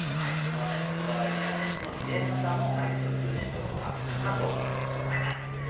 その辺りのこだわりや熱の入れ方も俳句と通じるところがあるのかなと思います。